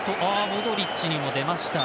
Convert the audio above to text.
モドリッチにも出ました。